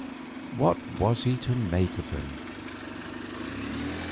What was he to make of them?